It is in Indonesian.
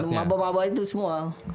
pemilu mabah mabah itu semua